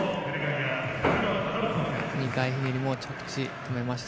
２回ひねりも着地止めました。